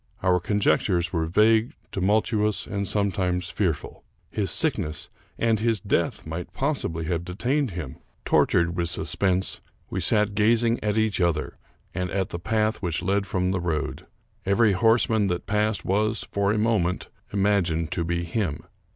Our conjectures were vague, tumultuous, and sometimes fearful. His sickness and his death might possibly have detained him. 251 American Mystery Stories Tortured with suspense, we sat gazing at each other, ari^d at the path which led from the road. Every horseman that passed was, for a moment, imagined to be him.